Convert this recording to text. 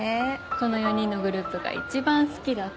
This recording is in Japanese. この４人のグループが一番好きだった。